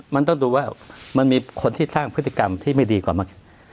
มันต้องดูว่ามันมีคนที่สร้างพฤติกรรมที่ไม่ดีกว่ามาก